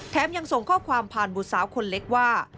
ยังส่งข้อความผ่านบุตรสาวคนเล็กว่า